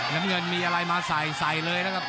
น้ำเงินมีอะไรมาใส่ใส่เลยนะครับ